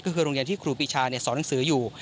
ก็คือโรงเรียนที่ครูปีชาสอนหนังสืออยู่